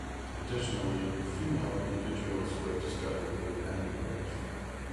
Additionally, female individuals were discovered with embryos.